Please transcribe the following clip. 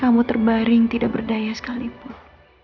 kamu terbaring tidak berdaya sekalipun